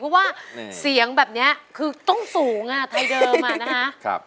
เพราะว่าเสียงแบบนี้คือต้องสูงไทยเดิมอะนะคะ